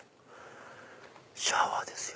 シャワーですよ。